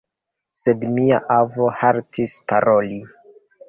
Sed mia avo haltis paroli.